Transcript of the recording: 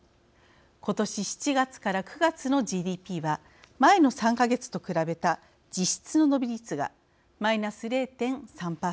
今年７月から９月のＧＤＰは前の３か月と比べた実質の伸び率がマイナス０．３％。